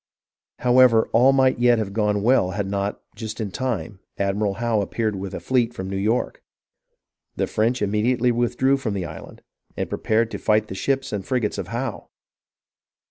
However, all might yet have gone well had not, just at the time, Admiral Howe appeared with a fleet from New York. The French immediately withdrew from the island, and pre pared to fight the ships and the frigates of Howe.